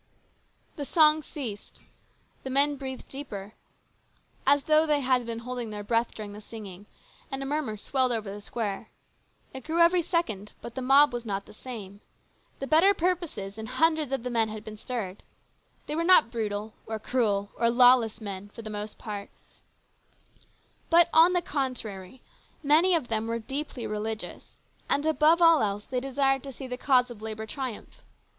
The song ceased. The men breathed deeper, as though they had been holding their breath during the singing, and a murmur swelled over the square. It grew every second, but the mob was not the same. The better purposes in hundreds of the men had been stirred. They were not brutal or cruel or lawless men, for the most part, but, on the contrary, very many of them were deeply religious, and above all 158 HIS BROTHER'S KEEPER. else they desired to see the cause of labour triumph.